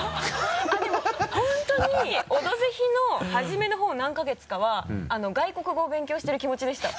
でも本当に「オドぜひ」のはじめの方何か月かは外国語を勉強してる気持ちでした。